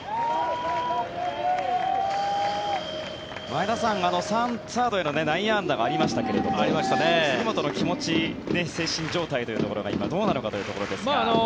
前田さん、サードへの内野安打がありましたけども杉本の気持ち精神状態というところが今、どうなのかというところですが。